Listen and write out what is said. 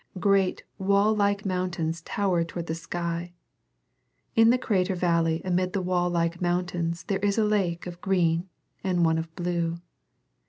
Great wall like mountains tower toward the sky. In the crater valley amid the wall like mountains there is a lake of green and one of blue.